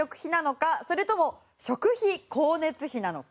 それとも食費光熱費なのか？